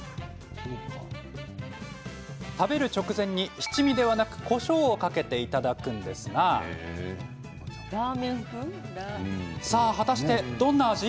食べる直前に七味ではなくこしょうをかけていただくんですがさあ果たして、どんな味？